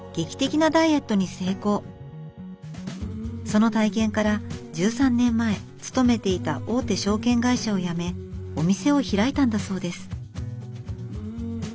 その体験から１３年前勤めていた大手証券会社を辞めお店を開いたんだそうです。